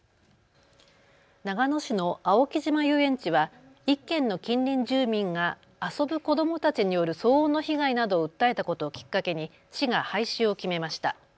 長野市の青木島遊園地は１軒の近隣住民が遊ぶ子どもたちによる騒音の被害などを訴えたことをきっかけに市が廃止を決めました。